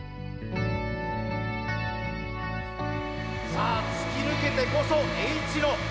さあ突き抜けてこそＨ野。